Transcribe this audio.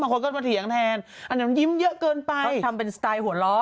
คนก็มาเถียงแทนอันนั้นยิ้มเยอะเกินไปเขาทำเป็นสไตล์หัวล้อ